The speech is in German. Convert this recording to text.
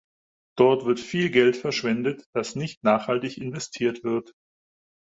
Dort wird viel Geld verschwendet, das nicht nachhaltig investiert wird.